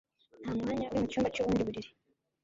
Nta mwanya uri mucyumba cyubundi buriri